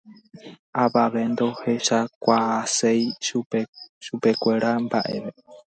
Avave ndohechakuaaséi chupekuéra mbaʼeve.